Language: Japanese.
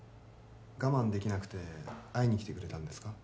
我慢できなくて会いにきてくれたんですか？